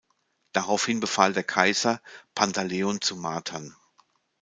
Daraufhin befahl der Kaiser, Pantaleon zu martern.